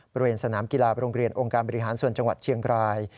บริเวณสนามกีฬาโรงเรียนองค์การบริหารส่วนจังหวัดเชียงราย